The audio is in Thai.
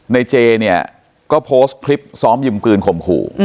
ในเจนี่ก็โพสต์คลิปซ้อมยิ่งปืนขมขู่